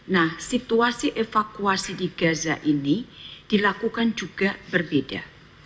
nah situasi evakuasi di gaza ini dilakukan juga berbeda